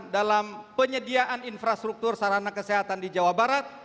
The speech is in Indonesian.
dalam penyediaan infrastruktur sarana kesehatan di jawa barat